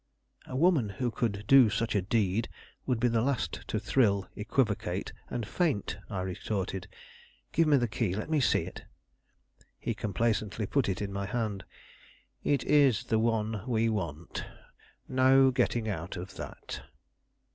"A woman who could do such a deed would be the last to thrill, equivocate, and faint," I retorted. "Give me the key; let me see it." He complacently put it in my hand. "It is the one we want. No getting out of that."